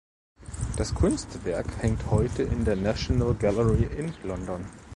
Das Kunstwerk hängt heute in der National Gallery in London.